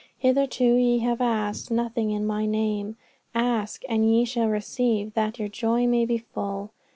Hitherto ye have asked nothing in My name; ask, and ye shall receive, that your joy may be full.